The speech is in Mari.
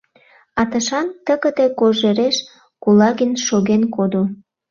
— А тышан, тыгыде кожереш, Кулагин шоген кодо...